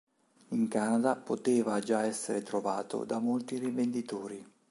In Canada, poteva già essere trovato da molti rivenditori.